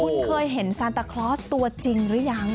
คุณเคยเห็นซานตาคลอสตัวจริงหรือยัง